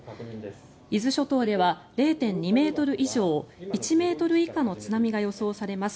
伊豆諸島では０．２ｍ以上１ｍ以下の津波が予想されます。